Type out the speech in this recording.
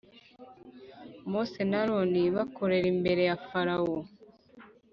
Mose na Aroni bakorera imbere ya Farawo